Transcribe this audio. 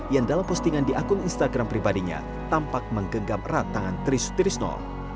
yang dalam postingan di akun instagram pribadinya tampak menggenggam erat tangan tri sutrisno